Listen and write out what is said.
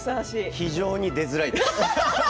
非常に出づらいです。